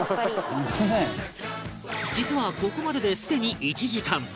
実はここまでですでに１時間